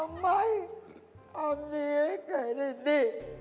อ้าวไม่เอาหนีให้ไก่ได้ดิ